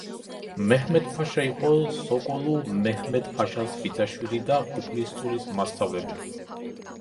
მეჰმედ-ფაშა იყო სოკოლუ მეჰმედ-ფაშას ბიძაშვილი და უფლისწულის მასწავლებელი.